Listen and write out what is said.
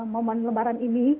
momen lebaran ini